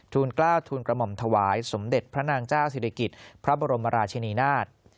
กล้าวทูลกระหม่อมถวายสมเด็จพระนางเจ้าศิริกิจพระบรมราชินีนาฏ